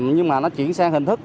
nhưng mà nó chuyển sang hình thức